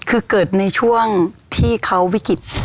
คือเกิดในช่วงที่เขาวิกฤต